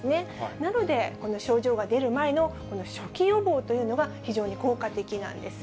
なので、この症状が出る前のこの初期予防というのが非常に効果的なんです。